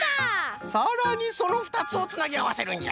さらにそのふたつをつなぎあわせるんじゃ。